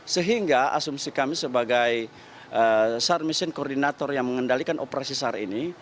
sehingga asumsi kami sebagai sar mission coordinator yang mengendalikan operasi sar ini